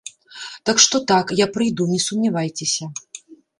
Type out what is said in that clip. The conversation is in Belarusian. Так што так, я прыйду, не сумнявайцеся.